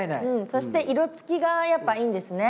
そして色つきがやっぱいいんですね。